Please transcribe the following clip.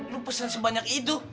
lu pesen sebanyak itu